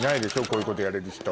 こういうことやれる人。